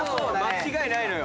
間違いないのよ。